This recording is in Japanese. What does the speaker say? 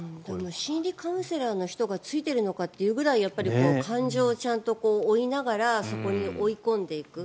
心理カウンセラーの人がついているのかというくらい感情をちゃんと追いながらそこに追い込んでいく。